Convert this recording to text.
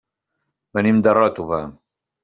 Venim de Ròtova.